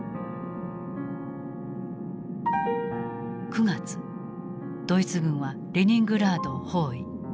９月ドイツ軍はレニングラードを包囲。